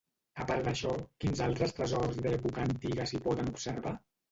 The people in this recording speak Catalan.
A part d'això, quins altres tresors d'època antiga s'hi poden observar?